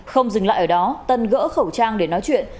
không dừng lại ở đó tân gỡ khẩu trang để nói chuyện